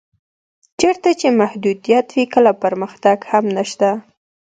چېرته چې محدودیت وي کله پرمختګ هم نشته.